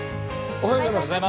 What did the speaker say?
おはようございます。